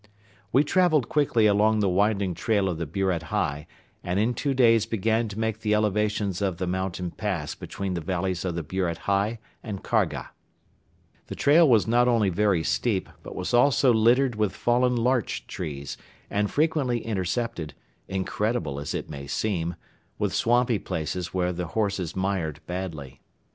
We traveled quickly along the winding trail of the Buret Hei and in two days began to make the elevations of the mountain pass between the valleys of the Buret Hei and Kharga. The trail was not only very steep but was also littered with fallen larch trees and frequently intercepted, incredible as it may seem, with swampy places where the horses mired badly.